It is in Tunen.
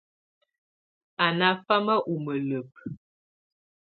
Á ná famaká u mǝlǝbǝ.